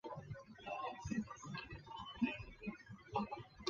早年肄业于绥德省立第四师范学校肄业。